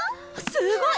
すごい！